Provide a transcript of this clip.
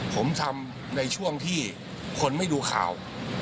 ผมทำในช่วงที่คนไม่ดูข่าว